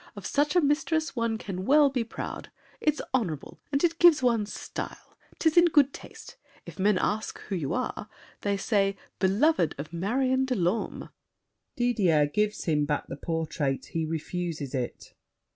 Of such a mistress one can well be proud! It's honorable, and it gives one style. 'Tis in good taste. If men ask who you are They say, "Beloved of Marion de Lorme." [Didier gives him back the portrait; he refuses it.